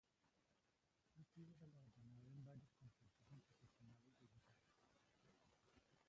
Ha sido galardonado en varios concursos Internacionales de Guitarra.